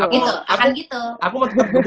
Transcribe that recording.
betul aku mau tetap